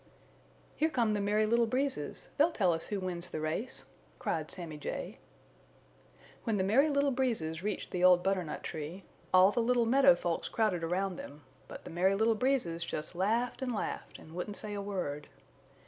"Here come the Merry Little Breezes; they'll tell us who wins the race," cried Sammy Jay. When the Merry Little Breezes reached the old butternut tree, all the little meadow folks crowded around them, but the Merry Little Breezes just laughed and laughed and wouldn't say a word.